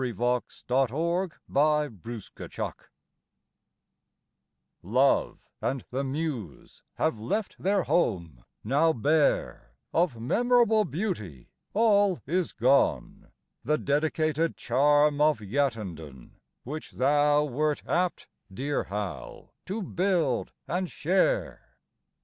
1904. TO HARRY ELLIS WOOLDRIDGE Love and the Muse have left their home, now bare Of memorable beauty, all is gone, The dedicated charm of Yattendon, Which thou wert apt, dear Hal, to build and share.